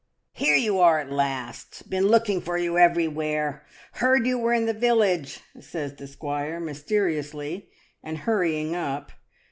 "Here you are at last! Been looking for you everywhere. Heard you were in the village," says the squire mysteriously, and hurrying up.